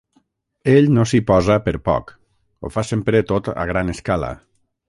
Ell no s'hi posa per poc: ho fa sempre tot a gran escala.